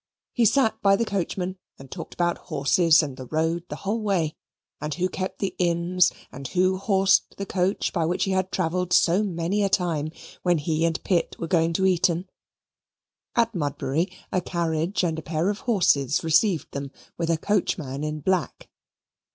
He sat by the coachman and talked about horses and the road the whole way; and who kept the inns, and who horsed the coach by which he had travelled so many a time, when he and Pitt were boys going to Eton. At Mudbury a carriage and a pair of horses received them, with a coachman in black.